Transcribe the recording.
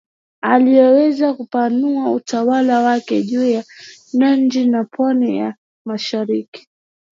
aliweza kupanua utawala wake juu ya Najd na pwani ya mashariki